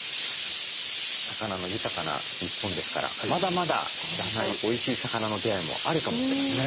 魚の豊かな日本ですからまだまだ知らないおいしい魚の出会いもあるかもしれません。